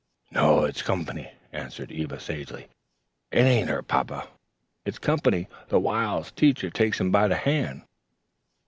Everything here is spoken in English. "No. It's comp'ny," answered Eva sagely. "It ain't her papa. It's comp'ny the whiles Teacher takes him by the hand."